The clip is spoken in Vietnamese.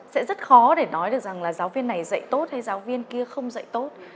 sẽ rất khó để nói được rằng là giáo viên này dạy tốt hay giáo viên kia không dạy tốt